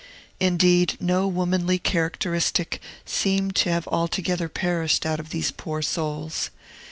Indeed, no womanly characteristic seemed to have altogether perished out of these poor souls.